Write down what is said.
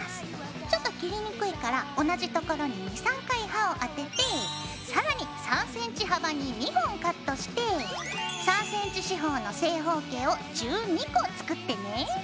ちょっと切りにくいから同じところに２３回刃を当てて更に３ｃｍ幅に２本カットして３ｃｍ四方の正方形を１２個作ってね。